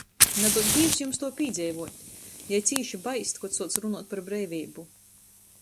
"Nadūd Dīvs jums tuo pīdzeivuot!" Jai cīši baist, kod suoc runuot par breiveibu.